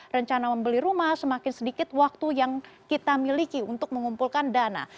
rencana membeli rumah semakin sedikit waktu yang kita miliki untuk mengumpulkan dana